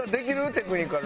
テクニカル。